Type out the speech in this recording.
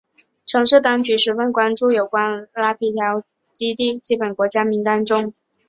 城市当局十分关注有关德瓦伦的拉皮条列入人口贩卖受害者目的地的基本国家名单中。